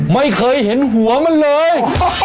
ไม่เคยเห็นหัวมันเลย